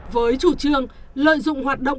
với chủ trương lợi dụng hoạt động